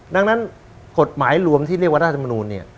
ดังนั้นกฎหมายรวมที่เรียกวัฒนธรรมนุนนี่